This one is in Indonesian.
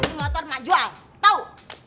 ini motor emak jual tau